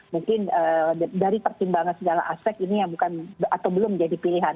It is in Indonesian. mungkin dari pertimbangan segala aspek ini yang bukan atau belum jadi pilihan